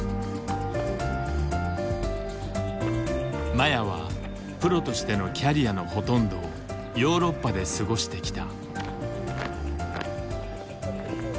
麻也はプロとしてのキャリアのほとんどをヨーロッパで過ごしてきた。